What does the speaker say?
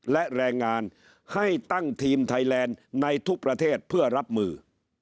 และแรงงานให้ตั้งทีมไทยแลนด์ในทุกประเทศเพื่อรับมือ